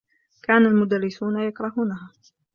كان المدرّسون يكرهونها.